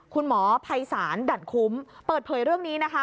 คุณหมอภัยศาลดั่นคุ้มเปิดเผยเรื่องนี้นะคะ